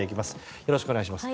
よろしくお願いします。